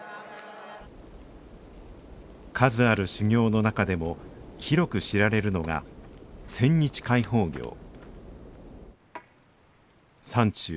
数ある修行の中でも広く知られるのが山中